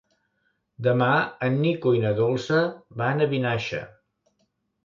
Demà en Nico i na Dolça van a Vinaixa.